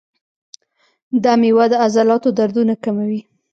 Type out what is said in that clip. دا میوه د عضلاتو دردونه کموي.